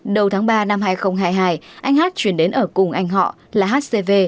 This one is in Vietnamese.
đầu tháng ba năm hai nghìn hai mươi hai anh hát chuyển đến ở cùng anh họ là h c v